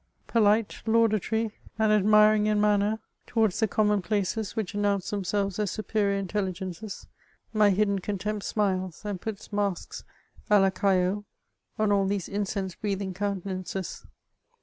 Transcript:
Polite, laudatory, and admiring in manner towards the common places 2o2 398 MEMOIBS OF which announce themselves as superior inteliigenoes^ my hid den contempt smiles, and puts masks a la CaUat on all these incense hreathing countenances.